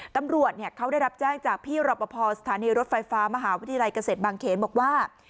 ตำรวจเขาได้รับแจ้งจากพี่รอปภสถานีรถไฟฟ้ามหาวิทยาลัยเกษตรบางเขนบอกว่า